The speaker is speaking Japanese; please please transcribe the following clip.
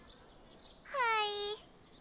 はい。